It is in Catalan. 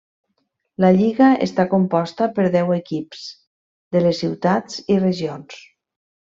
La lliga està composta per deu equips de les ciutats i regions.